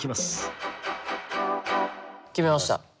決めました。